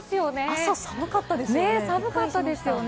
朝寒かったですよね。